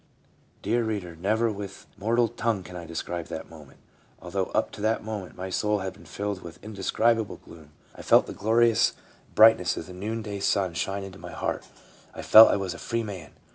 Dear reader, never with mortal tongue can I describe that moment. Although up to that moment my soul had been filled with indescribable gloom, I felt the glorious brightness of the noonday sun 332 leuba : shine into my heart ; I felt I was a free man.